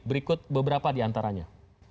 berikut beberapa di antaranya